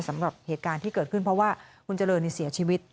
สำหรับเหตุการณ์ที่เกิดขึ้นเพราะว่าคุณเจริญเสียชีวิต